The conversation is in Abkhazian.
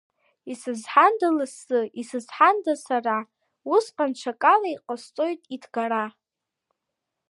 Исызҳанда лассы, исызҳанда сара, усҟан ҽакала иҟасҵон иҭгара!